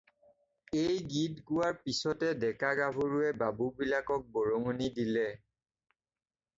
এই গীত গোৱাৰ পিছতে ডেকা-গাভৰুৱে বাবুবিলাকক বৰঙণি দিলে।